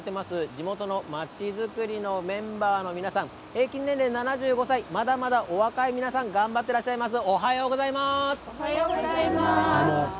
地元の町づくりのメンバーの皆さん、平均年齢７５歳まだまだお若い皆さん頑張ってらっしゃいます。